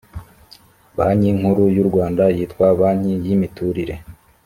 banki nkuru y u rwanda yitwa banki yimiturire